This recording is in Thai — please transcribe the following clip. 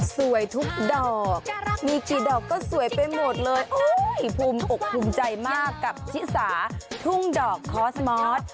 สวยทุกดอกมีกี่ดอกก็สวยไปหมดเลยภูมิอกภูมิใจมากกับชิสาทุ่งดอกคอสมอส